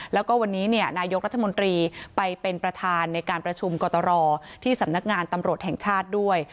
แล้วก็วันนี้นายกรัฐมนตรีไปเป็นประธานในการประชุมกตรที่สำนักงานตำรวจแห่งชาติด้วย